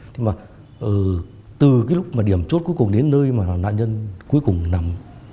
từ lúc điểm chốt cuối cùng đến nơi nạn nhân cuối cùng nằm